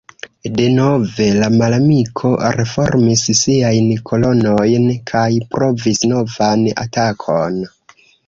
Denove, la malamiko reformis siajn kolonojn kaj provis novan atakon.